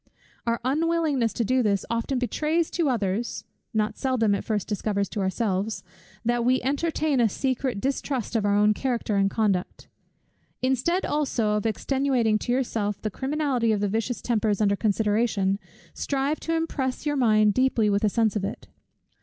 Our unwillingness to do this, often betrays to others, (not seldom it first discovers to ourselves) that we entertain a secret distrust of our own character and conduct. Instead also of extenuating to yourself the criminality of the vicious tempers under consideration, strive to impress your mind deeply with a sense of it.